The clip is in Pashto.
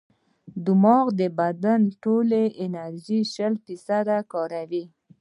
دماغ د بدن ټولې انرژي شل فیصده کاروي.